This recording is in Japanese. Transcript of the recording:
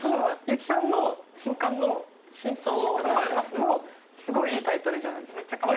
結城さんの新刊の『真相をお話しします』もすごいいいタイトルじゃないですか。